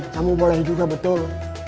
kamu boleh juga betul